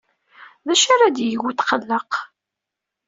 D acu ara d-yeg wetqelleq?